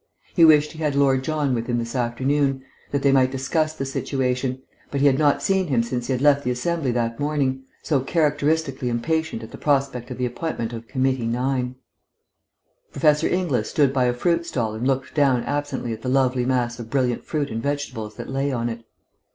He wished he had Lord John with him this afternoon, that they might discuss the situation, but he had not seen him since he had left the Assembly that morning, so characteristically impatient at the prospect of the appointment of Committee 9. Professor Inglis stood by a fruit stall and looked down absently at the lovely mass of brilliant fruit and vegetables that lay on it.